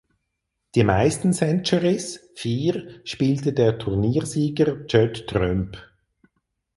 Die meisten Centurys (vier) spielte der Turniersieger Judd Trump.